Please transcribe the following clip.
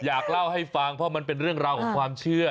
อยากเล่าให้ฟังเพราะมันเป็นเรื่องราวของความเชื่อ